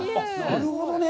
なるほどね。